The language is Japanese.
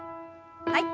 はい。